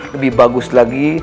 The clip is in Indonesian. lebih bagus lagi